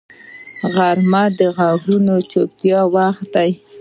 غرمه د غږونو چوپتیا وخت وي